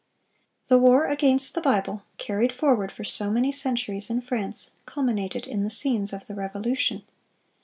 The war against the Bible, carried forward for so many centuries in France, culminated in the scenes of the Revolution.